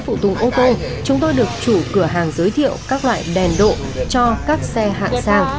để mua số lượng lớn phụ tùng ô tô chúng tôi được chủ cửa hàng giới thiệu các loại đèn độ cho các xe hạng sang